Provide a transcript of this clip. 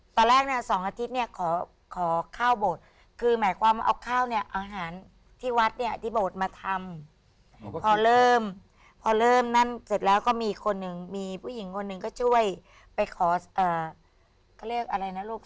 ตอนแรกเนี่ย๒อาทิตย์เนี่ยขอข้าวโบสถ์คือหมายความว่าเอาข้าวเนี่ยอาหารที่วัดเนี่ยที่โบสถ์มาทำพอเริ่มพอเริ่มนั่นเสร็จแล้วก็มีคนหนึ่งมีผู้หญิงคนหนึ่งก็ช่วยไปขอเขาเรียกอะไรนะลูก